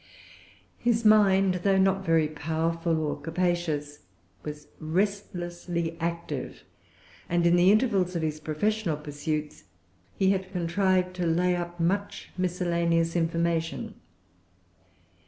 His mind, though not very powerful or capacious, was restlessly active, and,[Pg 337] in the intervals of his professional pursuits, he had contrived to lay up much miscellaneous information.